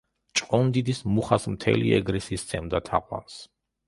ჭყონდიდის მუხას მთელი ეგრისი სცემდა თაყვანს.